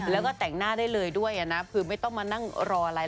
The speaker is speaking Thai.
แล้วก็แต่งหน้าได้เลยด้วยนะคือไม่ต้องมานั่งรออะไร